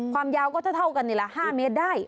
ความยาวก็เท่ากันนี่แหละ๕เมตรได้